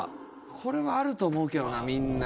これはあると思うけどなみんな。